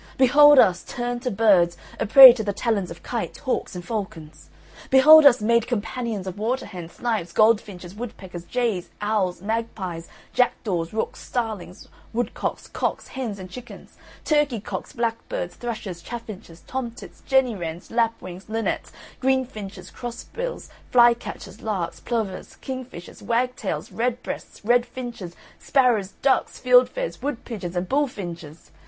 Behold us, turned to birds, a prey to the talons of kites, hawks, and falcons! Behold us made companions of water hens, snipes, goldfinches, woodpeckers, jays, owls, magpies, jackdaws, rooks, starlings, woodcocks, cocks, hens and chickens, turkey cocks, blackbirds, thrushes, chaffinches, tomtits, jenny wrens, lapwings, linnets, greenfinches, crossbills, flycatchers, larks, plovers, kingfishers, wagtails, redbreasts, redfinches, sparrows, ducks, fieldfares, woodpigeons and bullfinches!